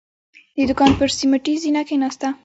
د دوکان پر سيميټي زينه کېناسته.